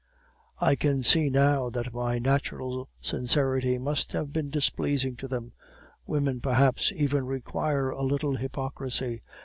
"I can see now that my natural sincerity must have been displeasing to them; women, perhaps, even require a little hypocrisy.